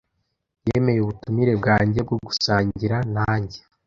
Yemeye ubutumire bwanjye bwo gusangira nanjye.